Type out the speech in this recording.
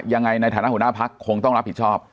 ในฐานะหัวหน้าพักคงต้องรับผิดชอบ